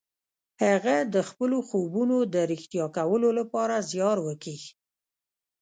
هغه د خپلو خوبونو د رښتيا کولو لپاره زيار وکيښ.